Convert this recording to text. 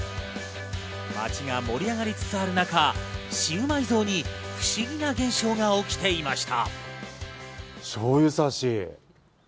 町が盛り上がりつつある中、シウマイ像に不思議な現象が起きていました。